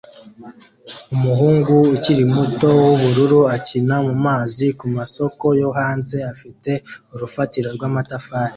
Umuhungu ukiri muto wubururu akina mumazi kumasoko yo hanze afite urufatiro rwamatafari